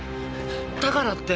だからって！